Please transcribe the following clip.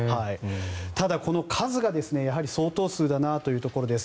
ただ、この数が相当数だなというところです。